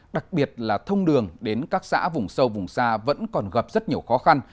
đặc biệt là thông đường đến các xã vùng sâu vùng xa vẫn còn gặp rất nhiều khó khăn